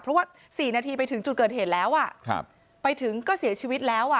เพราะว่าสี่นาทีไปถึงจุดเกิดเหตุแล้วไปถึงก็เสียชีวิตแล้ว